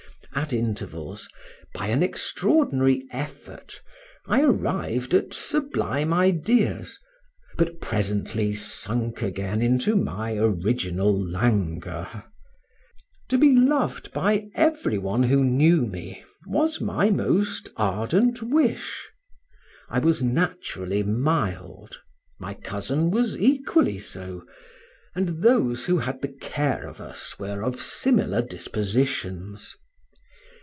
At intervals, by an extraordinary effort, I arrived at sublime ideas, but presently sunk again into my original languor. To be loved by every one who knew me was my most ardent wish. I was naturally mild, my cousin was equally so, and those who had the care of us were of similiar dispositions.